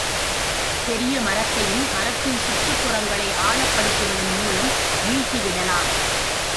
பெரிய மரத்தையும் மரத்தின் சுற்றுப் புறங்களை ஆழப்படுத்துவதன் மூலம் வீழ்த்திவிடலாம்.